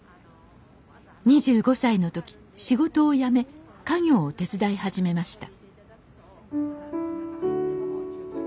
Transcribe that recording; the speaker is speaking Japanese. ２５歳の時仕事を辞め家業を手伝い始めました